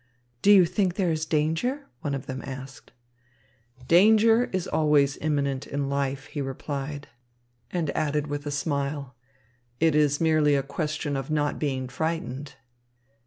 "Do you think there is danger?" one of them asked. "Danger is always imminent in life," he replied, and added with a smile: "It is merely a question of not being frightened."